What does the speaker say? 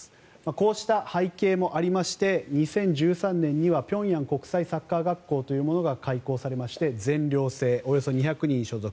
こうした背景もありまして２０１３年には平壌国際サッカー学校というものが開校されまして全寮制、およそ２００人所属。